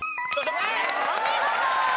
お見事！